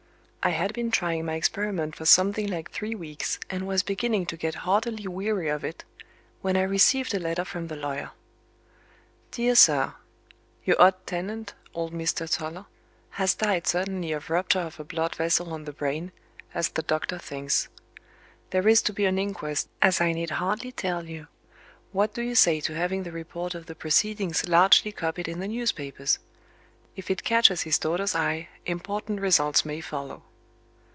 I had been trying my experiment for something like three weeks, and was beginning to get heartily weary of it, when I received a letter from the lawyer. "Dear Sir, Your odd tenant, old Mr. Toller, has died suddenly of rupture of a blood vessel on the brain, as the doctor thinks. There is to be an inquest, as I need hardly tell you. What do you say to having the report of the proceedings largely copied in the newspapers? If it catches his daughter's eye, important results may follow."